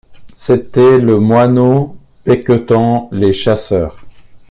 C’était le moineau becquetant les chasseurs.